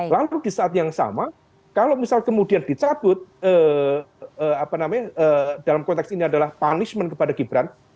lalu di saat yang sama kalau misal kemudian dicabut dalam konteks ini adalah punishment kepada gibran